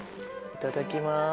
いただきます。